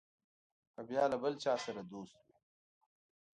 کله بیا له بل چا سره دوست وي.